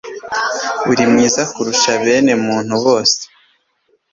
Uri mwiza kurusha bene muntu bose